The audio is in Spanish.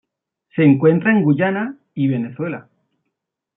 Se encuentra en Guyana y Venezuela.